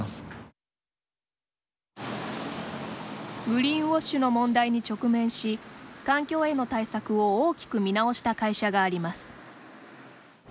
グリーンウォッシュの問題に直面し環境への対策を大きく見直した会社があります。